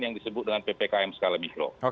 yang disebut dengan ppkm skala mikro